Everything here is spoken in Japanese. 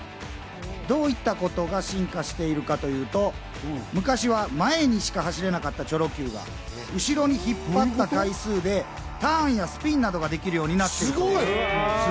どういったことが進化しているかというと、昔は前にしか走れなかったチョロＱが後ろに引っ張った回数でターンやスピンなどができるようになっているんです。